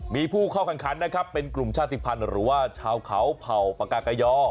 มีผู้เข้าแข่งขันนะครับเป็นกลุ่มชาติภัณฑ์หรือว่าชาวเขาเผ่าปากากายอ